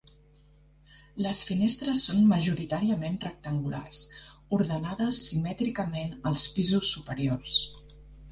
Les finestres són majoritàriament rectangulars, ordenades simètricament als pisos superiors.